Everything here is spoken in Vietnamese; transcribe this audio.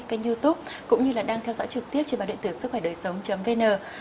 kênh youtube cũng như là đang theo dõi trực tiếp trên báođiện tử sức khỏe đời sống vn